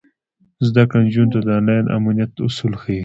زده کړه نجونو ته د انلاین امنیت اصول ښيي.